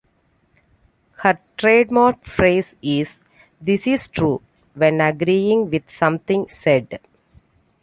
Her trademark phrase is "This is true" when agreeing with something said.